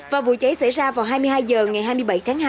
và vụ cháy xảy ra vào hai mươi hai h ngày hai mươi bảy tháng hai